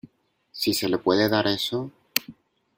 si se le puede dar eso...